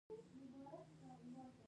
هلته ټګماران او ممثلان هم شته.